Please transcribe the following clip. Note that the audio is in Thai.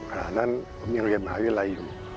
ขณะนั้นผมยังเรียนมหาวิทยาลัยอยู่